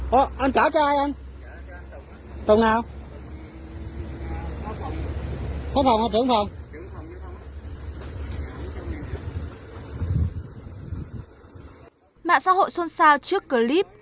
mạng xã hội xôn xao trước clip